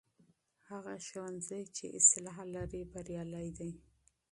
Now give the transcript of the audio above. هغه ښوونځی چې اصلاح لري بریالی دی.